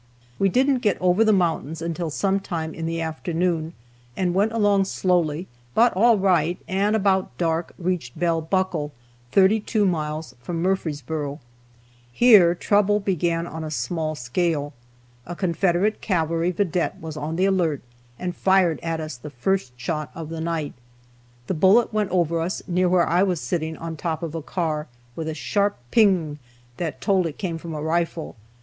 We didn't get over the mountains until some time in the afternoon, and went along slowly, but all right; and about dark reached Bell Buckle, 32 miles from Murfreesboro. Here trouble began on a small scale. A Confederate cavalry vedette was on the alert, and fired at us the first shot of the night. The bullet went over us near where I was sitting on top of a car, with a sharp "ping," that told it came from a rifle.